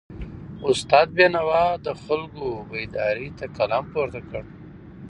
استاد بینوا د خلکو بیداری ته قلم پورته کړ.